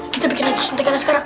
kita bikin aja centekan sekarang